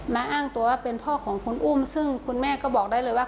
อ้างตัวว่าเป็นพ่อของคุณอุ้มซึ่งคุณแม่ก็บอกได้เลยว่า